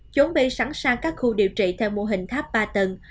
chốn bay sẵn sàng các khu điều trị theo mô hình tháp ba tầng